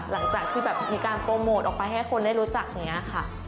หลังจากที่แบบมีการโปรโมทออกไปให้คนได้รู้จักอย่างนี้ค่ะ